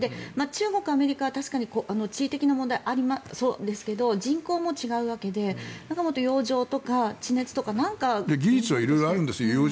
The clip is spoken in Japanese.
中国、アメリカは確かに地理的な問題がありそうですけど人口も違うわけで洋上とか地熱とか技術は色々あるんです。